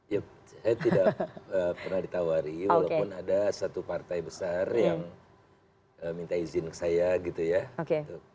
ya saya tidak pernah ditawari walaupun ada satu partai besar yang minta izin ke saya gitu ya